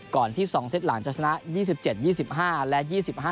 ที่๒เซตหลังจะชนะ๒๗๒๕และ๒๕